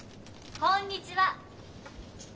こんにちは！